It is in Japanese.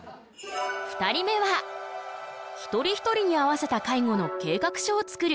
２人目は一人一人に合わせた介護の計画書を作る。